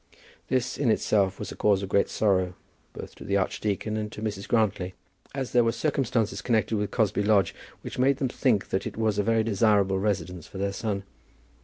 This, in itself, was a cause of great sorrow, both to the archdeacon and to Mrs. Grantly, as there were circumstances connected with Cosby Lodge which made them think that it was a very desirable residence for their son.